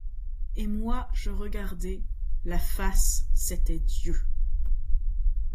Et moi, je regardai ; la face, c’était Dieu.